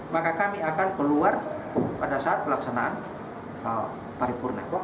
maka kami akan keluar pada saat pelaksanaan paripurna